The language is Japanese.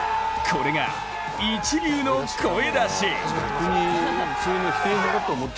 これがイチ流の声出し。